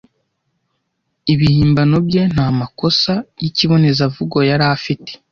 Ibihimbano bye nta makosa yikibonezamvugo yari afite.